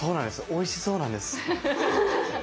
おいしそうなんです。